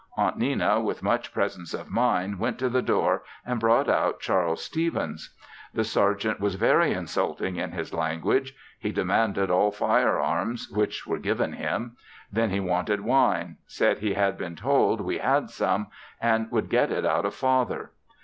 Aunt Nenna, with much presence of mind went to the door and brought out Charles Stevens. The sergeant was very insulting in his language. He demanded all fire arms, which were given him; then he wanted wine; said he had been told we had some, and would get it out of Father.